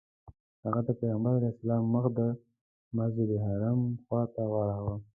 هغه د پیغمبر علیه السلام مخ د مسجدالحرام خواته واړوه.